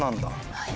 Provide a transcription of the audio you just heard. はい。